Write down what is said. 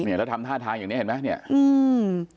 แล้วทำท่าทางอย่างนี้เห็นไหม